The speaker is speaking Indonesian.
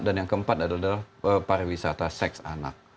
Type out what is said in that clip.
dan yang keempat adalah pariwisata seks anak